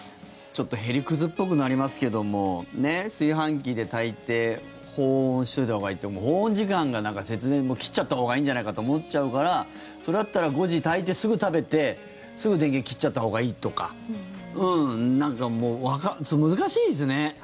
ちょっと屁理屈っぽくなりますけども炊飯器で炊いて保温しておいたほうがいいって保温時間が節電切っちゃったほうがいいんじゃないかと思っちゃうからそれだったら５時に炊いて、すぐ食べてすぐ電源切っちゃったほうがいいとかなんか難しいですね。